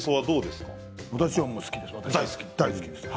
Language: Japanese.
私は大好きです。